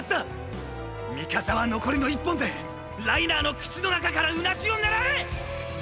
ミカサは残りの１本でライナーの口の中からうなじを狙え！！